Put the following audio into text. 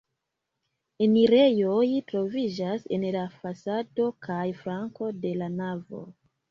Enirejoj troviĝas en la fasado kaj flanko de la navo.